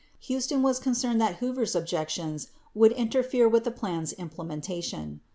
28 Huston was concerned that Hoover's objections would interfere with the plan's implementation.